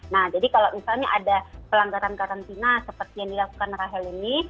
nah jadi kalau misalnya ada pelanggaran karantina seperti yang dilakukan rahel ini